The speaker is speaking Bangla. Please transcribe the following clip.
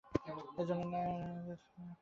এ জন্য নাগেটসের চেয়ে সসেজ শরীরের জন্য উপকারী।